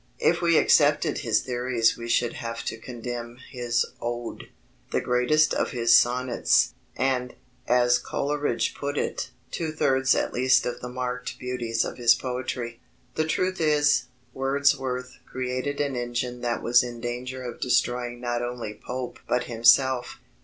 If we accepted his theories we should have to condemn his Ode, the greatest of his sonnets, and, as Coleridge put it, "two thirds at least of the marked beauties of his poetry." The truth is, Wordsworth created an engine that was in danger of destroying not only Pope but himself.